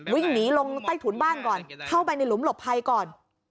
วิ่งหนีลงใต้ถุนบ้านก่อนเข้าไปในหลุมหลบภัยก่อน